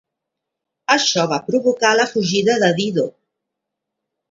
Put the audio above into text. Això va provocar la fugida de Dido.